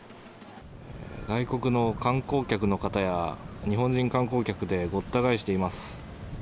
外国の観光客の方や日本人観光客でごった返しています。